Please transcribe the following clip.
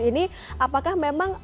ini apakah memang